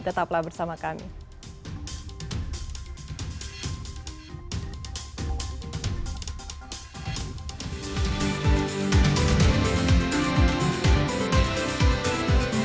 tetaplah bersama kami